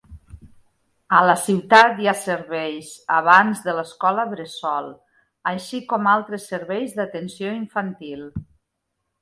A la ciutat hi ha serveis abans de l'escola bressol, així com altres serveis d'atenció infantil.